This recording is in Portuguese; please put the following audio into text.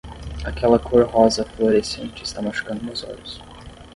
Aquela cor rosa fluorescente está machucando meus olhos.